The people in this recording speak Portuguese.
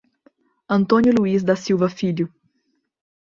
Antônio Luiz da Silva Filho